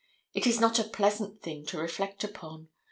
It is not a pleasant thing to reflect upon.